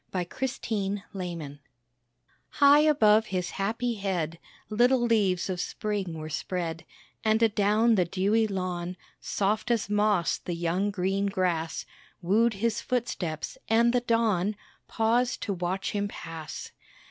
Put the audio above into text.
WHEN PIERROT PASSES High above his happy head Little leaves of Spring were spread; And adown the dewy lawn Soft as moss the young green grass Wooed his footsteps, and the dawn Paused to watch him pass.